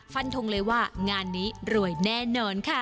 ฟันทงเลยว่างานนี้รวยแน่นอนค่ะ